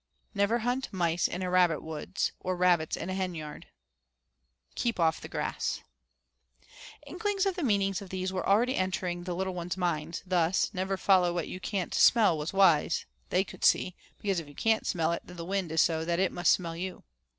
Never hunt mice in a rabbit woods, or rabbits in a henyard. Keep off the grass. Inklings of the meanings of these were already entering the little ones' minds thus, 'Never follow what you can't smell,' was wise, they could see, because if you can't smell it, then the wind is so that it must smell you.